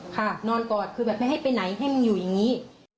นอนกอดคือแบบไม่ให้ไปไหนให้มึงอยู่อย่างนี้